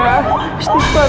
mama pasti sembuh kok